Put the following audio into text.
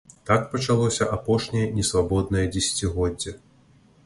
Так пачалося апошняе несвабоднае дзесяцігоддзе.